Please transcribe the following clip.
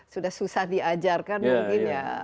sudah susah diajarkan mungkin ya